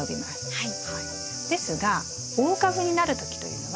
はい。